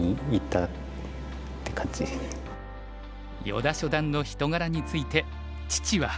依田初段の人柄について父は。